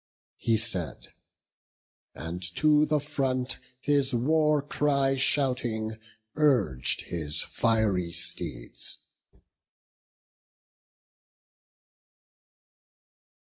He said, and to the front, His war cry shouting, urg'd his fiery steeds.